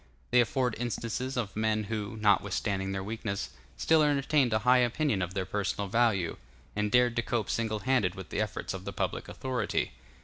They afford instances of men who, notwithstanding their weakness, still entertained a high opinion of their personal value, and dared to cope single handed with the efforts of the public authority.